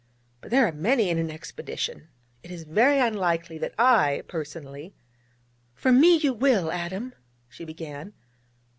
But there are many in an expedition. It is very unlikely that I, personally ' 'For me you will, Adam ' she began.